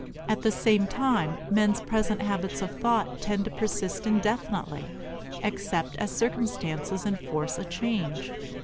At the same time, men's present habits of thought tend to persist indefinitely, except as circumstances enforce a change.